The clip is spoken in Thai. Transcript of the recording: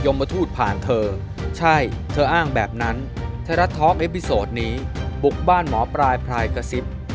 มีการเลือกตั้งไหมครับ